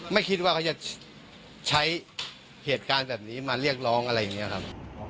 ไม่คิดว่าเขาจะใช้เหตุการณ์แบบนี้มาเรียกร้องอะไรอย่างนี้ครับ